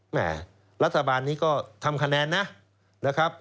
แม่รัฐบาลนี้ก็ทำคะแนนนะครับ